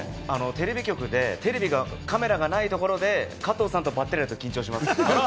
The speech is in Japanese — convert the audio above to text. テレビ局でカメラがないところで加藤さんとばったり会うと緊張します。